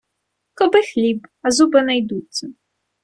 Коби хліб, а зуби знайдуться.